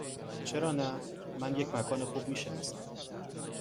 چرا نه؟ من یک مکان خوب می شناسم.